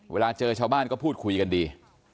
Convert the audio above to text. เวลาเจอชาวบ้านก็พูดคุยกันดี